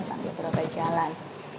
sambil berobat jalan